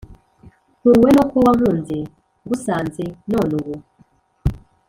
nkuruwe n'uko wankunze; ngusanze none ubu.